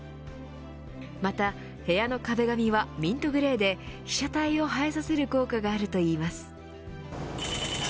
また部屋の壁紙はミントグレーで被写体を映えさせる効果があるといいます。